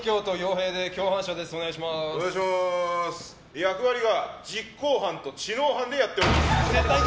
役割が実行犯と知能犯でやってます。